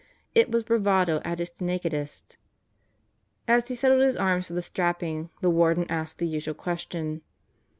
It was bravado at its nakedest. As he settled his arms for the strapping, the Warden asked the usual question.